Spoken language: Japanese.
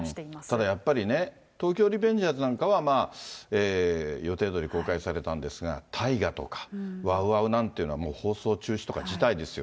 ただやっぱりね、東京リベンジャーズなんかは、予定どおり公開されたんですが、大河とかＷＯＷＯＷなんていうのは、放送中止とか辞退ですよ。